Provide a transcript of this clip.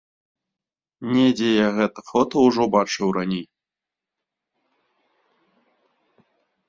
Недзе я гэтыя фота ўжо бачыў раней.